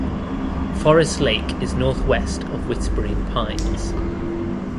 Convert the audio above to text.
Forest Lake is northwest of Whispering Pines.